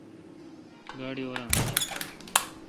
گاڑی اوران بیل۔